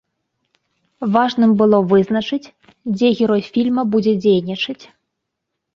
Важным было вызначыць, дзе герой фільма будзе дзейнічаць.